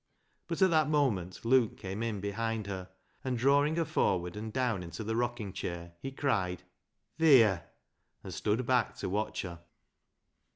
But at that moment Luke came in behind her, and drawing her forward and down into the rocking chair, he cried, " Theer !" and stood back to watch her.